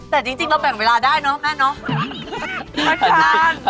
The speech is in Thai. แต่จริงเราแบ่งเวลาได้เนอะแม่เนาะ